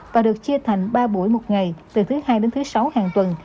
và được chia thành ba buổi một ngày từ thứ hai đến thứ sáu hàng tuần